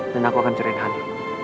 dan aku akan cari hany